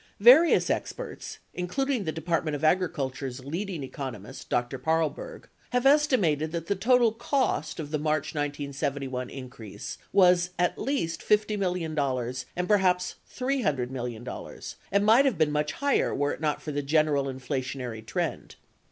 Various experts, including the Department of Agriculture's leading economist, Dr. Paarlberg, have estimated that the total cost of the March 1971 increase was at least $50 million and perhaps $300 million 49 and might have been much higher were it not for the general inflationary ti'end.